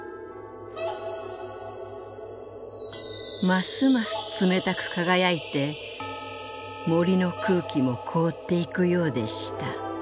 「ますます冷たく輝いて森の空気も凍っていくようでした。